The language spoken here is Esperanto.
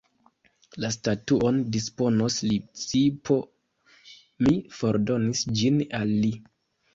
La statuon disponos Lizipo, mi fordonis ĝin al li.